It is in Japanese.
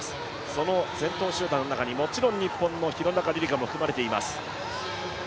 その先頭集団の中にもちろん日本の廣中璃梨佳も含まれています。